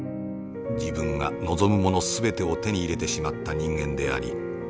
自分が望むもの全てを手に入れてしまった人間であり